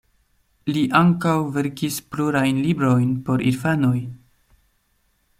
Li ankaŭ verkis plurajn librojn por infanoj.